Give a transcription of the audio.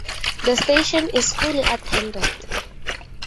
The station is fully attended.